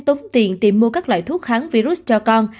tống tiền tìm mua các loại thuốc kháng virus cho con